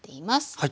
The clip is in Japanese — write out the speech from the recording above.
はい。